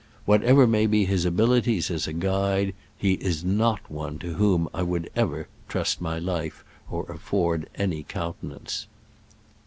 Whatever may be his abilities as a guide, he is not one to whom I would ever trust my life or afford any countenance.